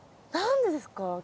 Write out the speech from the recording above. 何ですか？